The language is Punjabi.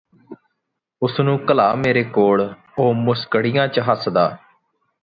ਉਹਨੂੰ ਘਲਾ ਮੇਰੇ ਕੋਲ ਉਹ ਮੁਸਕੜੀਆਂ ਚ ਹੱਸਦਾ